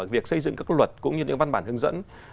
việc xây dựng các luật cũng như những văn bản hướng dẫn